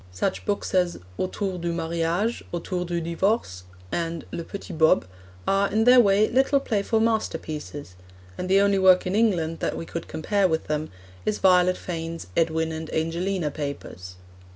Such books as Autour du Mariage, Autour du Divorce, and Le Petit Bob, are, in their way, little playful masterpieces, and the only work in England that we could compare with them is Violet Fane's Edwin and Angelina Papers.